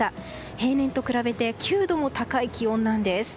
平年と比べて９度も高い気温です。